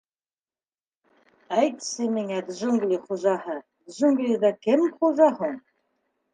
Әйтсе миңә, джунгли хужаһы, джунглиҙа кем хужа һуң?